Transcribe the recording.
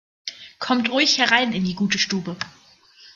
Kommt ruhig herein in die gute Stube!